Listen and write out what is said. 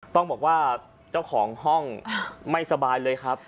ต้องบอกว่าเจ้าของห้องไม่สบายเลยครับ